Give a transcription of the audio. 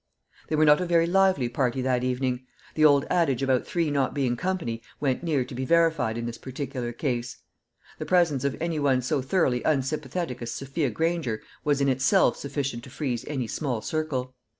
They were not a very lively party that evening. The old adage about three not being company went near to be verified in this particular case. The presence of any one so thoroughly unsympathetic as Sophia Granger was in itself sufficient to freeze any small circle.